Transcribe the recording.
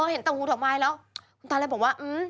เห็นตังหูดอกไม้แล้วคุณตาแหละบอกว่า